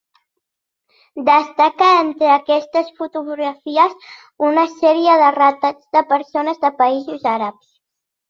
Destaca, entre aquestes fotografies, una sèrie de retrats de persones de països àrabs.